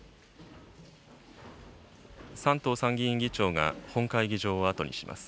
山東参議院議長が本会議場を後にします。